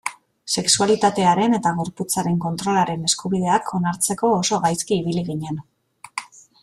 Sexualitatearen eta gorputzaren kontrolaren eskubideak onartzeko oso gaizki ibili ginen.